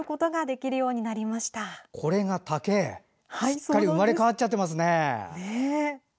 すっかり生まれ変わってますね。